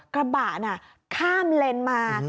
กระบะน่ะข้ามเลนมา